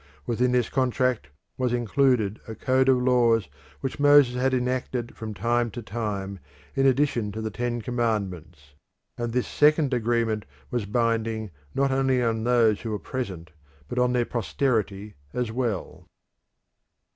Within this contract was included a code of laws which Moses had enacted from time to time, in addition to the ten commandments; and this second agreement was binding not only on those who were present but on their posterity as well.